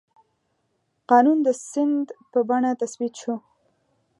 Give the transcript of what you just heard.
قانون د سند په بڼه تثبیت شو.